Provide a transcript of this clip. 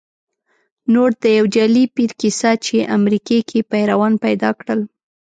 نوټ: د یو جعلې پیر کیسه چې امریکې کې پیروان پیدا کړل